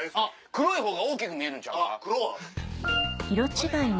黒い方が大きく見えるんちゃうか。